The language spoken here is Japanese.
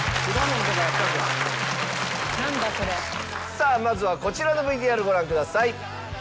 さあまずはこちらのＶＴＲご覧ください。